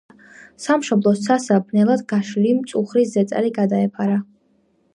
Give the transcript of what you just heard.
სამშობლოს ცასა ბნელად გაშლილი მწუხრის ზეწარი გადაეფარა.